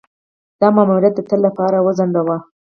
دا ماموریت د تل لپاره وځنډاوه.